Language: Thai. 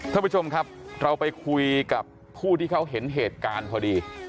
ท่านผู้ชมครับเราไปคุยกับผู้ที่เขาเห็นเหตุการณ์พอดี